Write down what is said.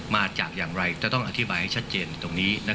มาจากอย่างไรจะต้องอธิบายให้ชัดเจนตรงนี้